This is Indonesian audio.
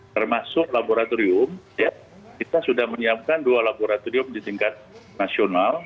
termasuk laboratorium kita sudah menyiapkan dua laboratorium di tingkat nasional